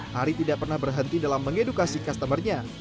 hari tidak pernah berhenti dalam mengedukasi customer nya